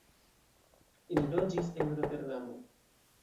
Li loĝis en Roterdamo.